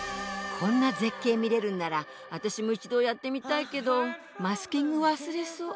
こんな絶景見れるんなら私も一度やってみたいけどマスキング忘れそう。